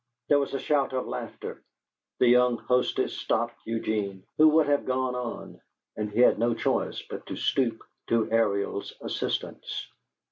There was a shout of laughter. The young hostess stopped Eugene, who would have gone on, and he had no choice but to stoop to Ariel's assistance.